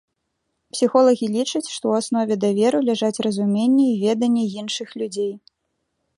Псіхолагі лічаць, што ў аснове даверу ляжаць разуменне і веданне іншых людзей.